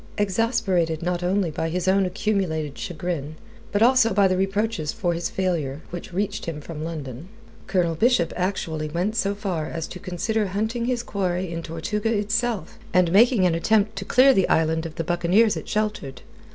Exasperated not only by his own accumulated chagrin, but also by the reproaches for his failure which reached him from London, Colonel Bishop actually went so far as to consider hunting his quarry in Tortuga itself and making an attempt to clear the island of the buccaneers it sheltered.